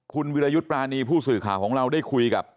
คุณวิรายุทธ์ปรานีผู้สื่อข่าวของเราได้คุยกับ